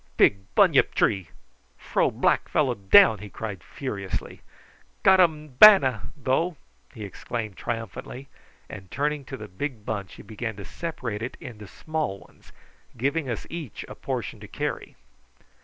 "Big bunyip tree! Fro black fellow down," he cried furiously. "Got um bana, though!" he exclaimed triumphantly, and turning to the big bunch he began to separate it into small ones, giving us each a portion to carry.